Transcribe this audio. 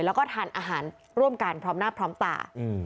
แล้วก็ทานอาหารร่วมกันพร้อมหน้าพร้อมตา